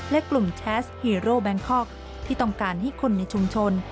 และกลุ่มแชสฮีโร่แบงคอกที่ต้องการให้คนในชุมชน